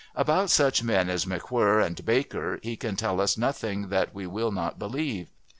About such men as McWhirr and Baker he can tell us nothing that we will not believe.